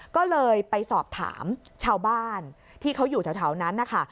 ก็เลยไปสอบถามชาวบ้านที่เขาอยู่แถวนั้นนะคะ